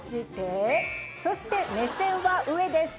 そして目線は上です